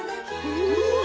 うわ！